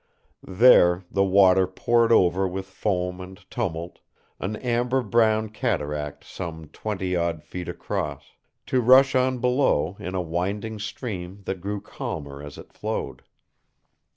There the water poured over with foam and tumult, an amber brown cataract some twenty odd feet across, to rush on below in a winding stream that grew calmer as it flowed.